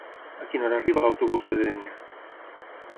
A quina hora arriba l'autobús de Dénia?